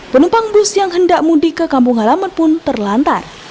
penumpang bus yang hendak mudik ke kampung halaman pun terlantar